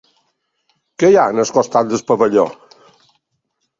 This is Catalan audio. Què hi ha al costat del pavelló?